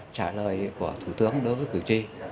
trả lời của thủ tướng đối với cử tri